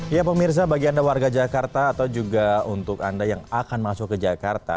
ya pemirsa bagi anda warga jakarta atau juga untuk anda yang akan masuk ke jakarta